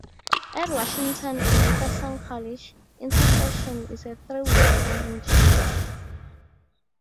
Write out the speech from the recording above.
At Washington and Jefferson College, Intersession is a three-week term in January.